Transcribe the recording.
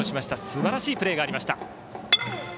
すばらしいプレーをしました。